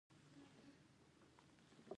آیا دا پیښې سیلانیان نه راوړي؟